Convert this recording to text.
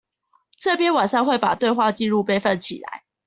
這邊晚上會把對話記錄備份起來